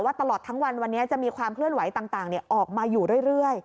ตลอดทั้งวันวันนี้จะมีความเคลื่อนไหวต่างออกมาอยู่เรื่อย